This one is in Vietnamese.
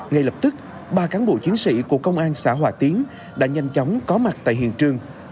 ngay lập tức ba cán bộ chiến sĩ của công an xã hòa tiến đã nhanh chóng có mặt tại hiện trường